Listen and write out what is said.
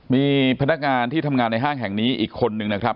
มีพนักงานที่ทำงานในห้างแห่งนี้อีกคนนึงนะครับ